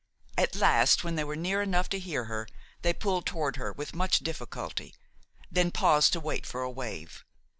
At last, when they were near enough to hear her, they pulled toward her with much difficulty; then paused to wait for a wave.